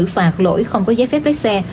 phạt lỗi không có giấy phép lấy xe